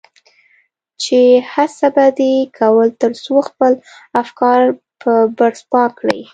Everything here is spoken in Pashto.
چې هڅه به دې کول تر څو خپل افکار په برس پاک کړي.